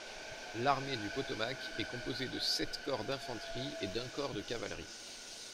L'armée du Potomac est composée de sept Corps d'infanterie et d'un Corps de cavalerie.